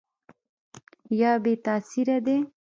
یا بې تاثیره دي ؟